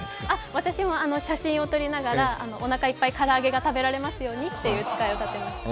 私も写真を撮りながらおなかいっぱい唐揚げが食べられますようにと誓いを立てました。